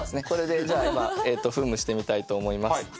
これでじゃ今噴霧してみたいと思います